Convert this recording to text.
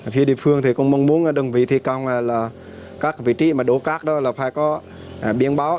thì địa phương thì cũng mong muốn đồng vị thi công là các vị trí mà đổ cát đó là phải có biến báo